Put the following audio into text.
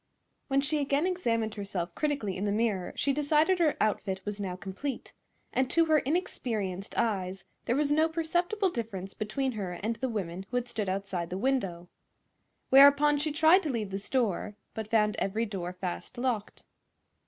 When she again examined herself critically in the mirror she decided her outfit was now complete, and to her inexperienced eyes there was no perceptible difference between her and the women who had stood outside the window. Whereupon she tried to leave the store, but found every door fast locked.